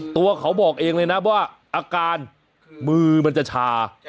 ตัวเขาบอกเองเลยนะว่าอาการมือมันจะชา